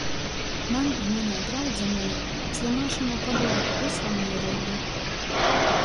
Maņ i munai draudzinei slymuošona paguoja pavysam mīreigi.